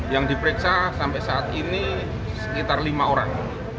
yang diperiksa sampai saat ini sekitar lima orang